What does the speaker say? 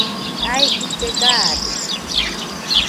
Jae ille gaade.